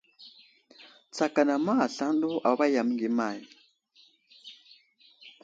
Tsakala may aslane ɗu awayam məŋgay əmay !